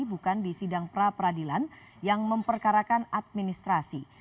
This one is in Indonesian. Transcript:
bukan di sidang pra peradilan yang memperkarakan administrasi